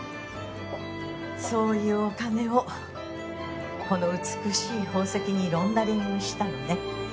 そういうお金をこの美しい宝石にロンダリングしたのね